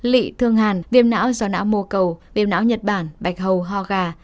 lị thương hàn viêm não do não mô cầu viêm não nhật bản bạch hầu ho gà